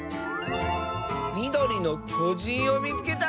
「みどりのきょじんをみつけた！」。